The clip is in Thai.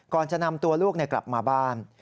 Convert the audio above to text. ก่อนจะนำตัวลูกกลับมาบ้าน